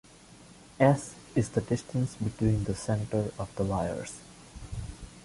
"S" is the distance between the center of the wires.